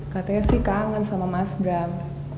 katanya sih kangen sama mas bram